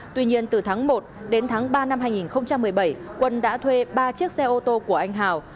tuy nhiên từ tháng một đến tháng ba năm hai nghìn một mươi bảy quân đã thuê ba chiếc xe ô tô của anh hào